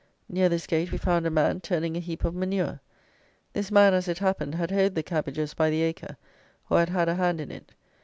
Near this gate we found a man turning a heap of manure. This man, as it happened, had hoed the cabbages by the acre, or had had a hand in it.